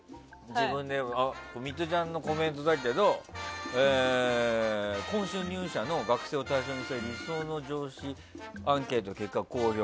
自分でミトちゃんのコメントだけど今春入社の学生に対する理想の上司アンケート結果公表。